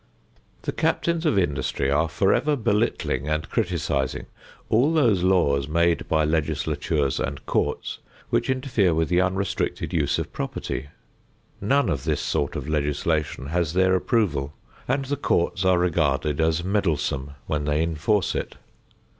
The captains of industry are forever belittling and criticising all those laws made by legislatures and courts which interfere with the unrestricted use of property. None of this sort of legislation has their approval and the courts are regarded as meddlesome when they enforce it.